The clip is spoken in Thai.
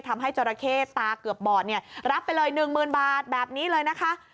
ทำให้จราเข้ตาเกือบบอดเนี่ยรับไปเลยหนึ่งหมื่นบาทแบบนี้เลยนะคะ